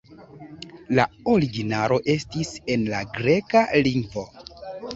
La originalo estis en la greka lingvo.